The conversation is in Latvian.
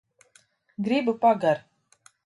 Gribu pagar